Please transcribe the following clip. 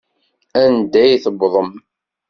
Anda i tewwḍem?